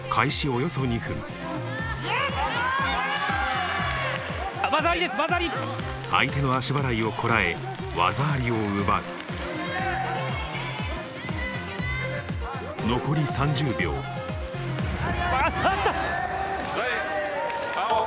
およそ２分相手の足払いをこらえ技ありを奪う残り３０秒技あり！